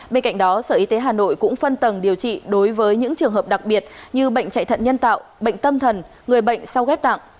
bên cạnh đó sở y tế hà nội cũng phân tầng điều trị đối với những trường hợp đặc biệt như bệnh chạy thận nhân tạo bệnh tâm thần người bệnh sau ghép tạng